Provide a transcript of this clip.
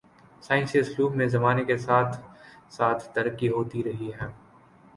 سائنسی اسلوب میں زمانے کے ساتھ ساتھ ترقی ہوتی رہی ہے